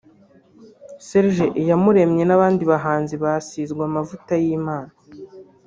Serge Iyamuremye n’abandi bahanzi basizwe amavuta y’Imana